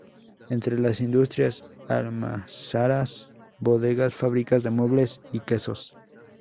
Entre las industrias, almazaras, bodegas, fábricas de muebles y quesos.